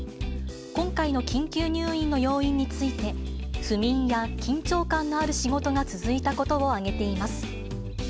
今回の緊急入院の要因について、不眠や緊張感のある仕事が続いたことを挙げています。